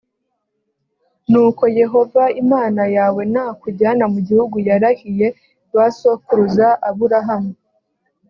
nuko yehova imana yawe nakujyana mu gihugu yarahiye ba sokuruza aburahamu